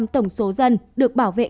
bảy mươi tổng số dân được bảo vệ